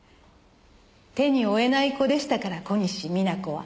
手に負えない子でしたから小西皆子は。